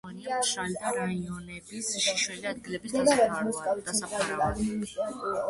მნიშვნელოვანია მშრალი რაიონების შიშველი ადგილების დასაფარავად.